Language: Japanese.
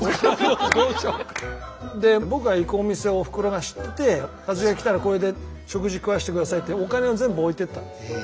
で僕が行くお店をおふくろが知ってて一茂が来たらこれで食事食わせてくださいってお金を全部置いてったんです。